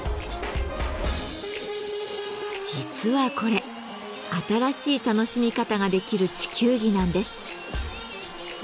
実はこれ新しい楽しみ方ができる地球儀なんです。